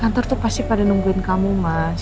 kantor tuh pasti pada nungguin kamu mas